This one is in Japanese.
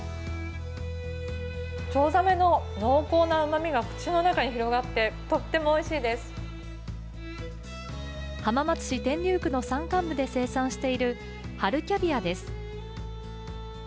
チョウザメの濃厚なうまみが口の中に広がってとってもおいしいです。浜松市天竜区の山間部で生産しているハルキャビアです。